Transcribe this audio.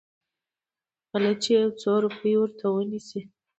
غله چې يو څو روپۍ ورته ونيسي.